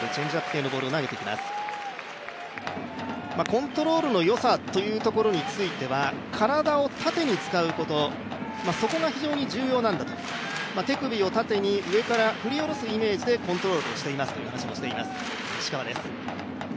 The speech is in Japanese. コントロールの良さということについては体を縦に使うこと、そこが非常に重要なんだと、手首を縦に上から振り降ろすイメージでコントロールしていますという話もしています、石川です。